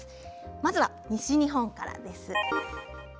まずは西日本からです。